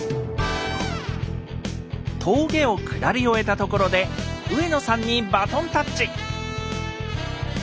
峠を下り終えたところで上野さんにバトンタッチ。